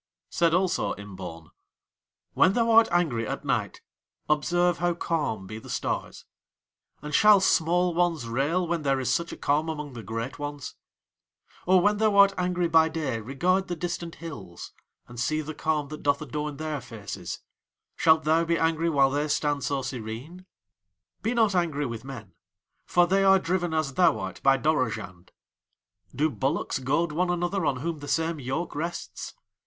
Said also Imbaun: "When thou art angry at night observe how calm be the stars; and shall small ones rail when there is such a calm among the great ones? Or when thou art angry by day regard the distant hills, and see the calm that doth adorn their faces. Shalt thou be angry while they stand so serene? "Be not angry with men, for they are driven as thou art by Dorozhand. Do bullocks goad one another on whom the same yoke rests?